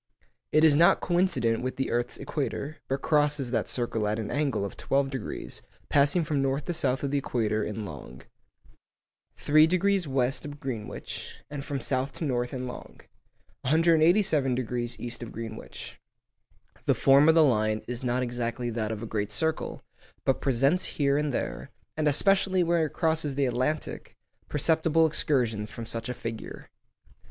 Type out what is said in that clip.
It is not coincident with the earth's equator, but crosses that circle at an angle of twelve degrees, passing from north to south of the equator in long. 3° west of Greenwich, and from south to north in long. 187° east of Greenwich. The form of the line is not exactly that of a great circle, but presents here and there (and especially where it crosses the Atlantic) perceptible excursions from such a figure.